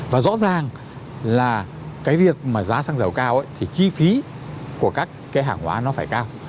và rõ ràng là cái việc mà giá xăng dầu cao ấy thì chi phí của các cái hàng hóa nó phải cao